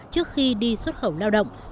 trước khi đi xuất khẩu lao động